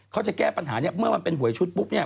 เขาจะแก้ปัญหาเนี่ยเมื่อมันเป็นหวยชุดปุ๊บเนี่ย